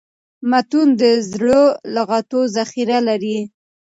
متون د زړو لغاتو ذخیره لري.